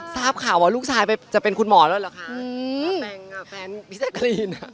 ทราบข่าวว่าลูกชายไปจะเป็นคุณหมอแล้วเหรอคะแต่งอ่ะแฟนพี่แจ๊กกะรีนอ่ะ